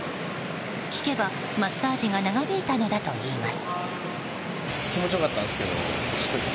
聞けばマッサージが長引いたのだといいます。